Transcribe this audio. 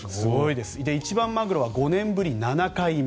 一番マグロは５年ぶり７回目。